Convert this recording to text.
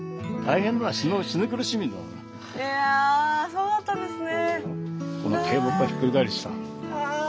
いやあそうだったんですね。